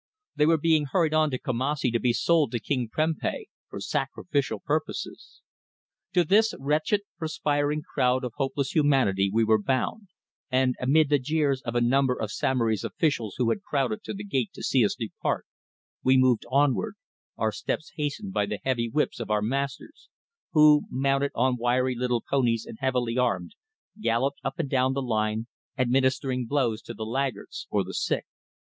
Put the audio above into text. They were being hurried on to Kumassi to be sold to King Prempeh for sacrificial purposes. To this wretched perspiring crowd of hopeless humanity we were bound, and amid the jeers of a number of Samory's officials who had crowded to the gate to see us depart, we moved onward, our steps hastened by the heavy whips of our masters who, mounted on wiry little ponies and heavily armed, galloped up and down the line administering blows to the laggards or the sick.